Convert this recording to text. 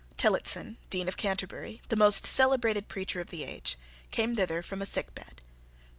Tillotson, Dean of Canterbury, the most celebrated preacher of the age, came thither from a sick bed.